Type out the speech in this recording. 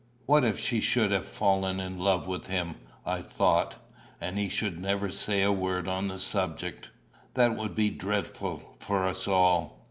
"What if she should have fallen in love with him," I thought, "and he should never say a word on the subject? That would be dreadful for us all."